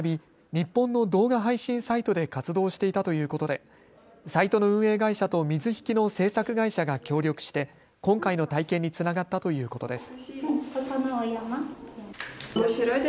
日本の動画配信サイトで活動していたということでサイトの運営会社と水引の制作会社が協力して今回の体験につながったということです。